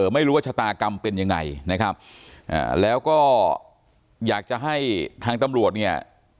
ไม่รู้ว่าชะตากรรมเป็นยังไงนะครับแล้วก็อยากจะให้ทางตำรวจเนี่ย